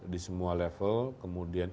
di semua level kemudian